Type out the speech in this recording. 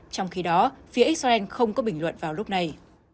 trong khi đó phía israel không có bình luận vào lúc này